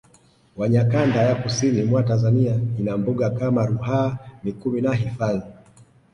wanya kanda ya kusini mwa Tanzania ina Mbuga kama Ruaha Mikumi na hifadhi